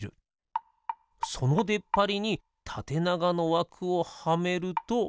そのでっぱりにたてながのわくをはめると。